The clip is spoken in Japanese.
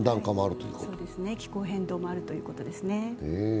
そうですね、気候変動もあるということですね。